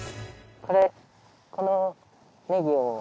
これこのネギを。